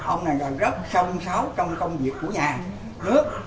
ông này là rất sâm sáu trong công việc của nhà nước